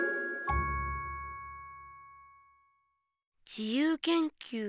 自由研究。